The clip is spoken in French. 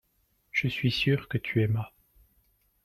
je suis sûr que tu aimas.